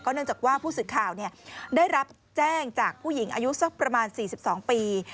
เนื่องจากว่าผู้สื่อข่าวได้รับแจ้งจากผู้หญิงอายุสักประมาณ๔๒ปี